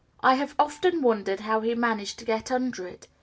I have often wondered how he managed to get under it.